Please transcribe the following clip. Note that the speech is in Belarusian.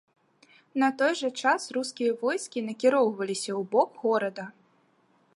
У той жа час рускія войскі накіроўваліся ў бок горада.